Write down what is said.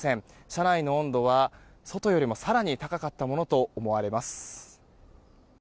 車内の温度は外よりも更に高かったものと思われます。